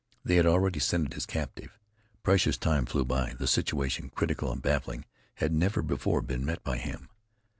They had already scented his captive. Precious time flew by; the situation, critical and baffling, had never before been met by him.